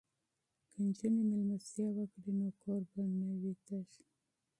که نجونې میلمستیا وکړي نو کور به نه وي تش.